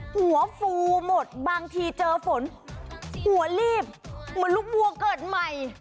หัวฟูหมดบางทีเจอฝนหัวลีบเหมือนลูกวัวเกิดใหม่